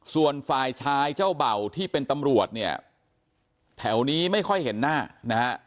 ส่วนฝ่ายชายเจ้าเบ่าที่เป็นตำรวจเนี่ยแถวนี้ไม่ค่อยเห็นหน้านะฮะ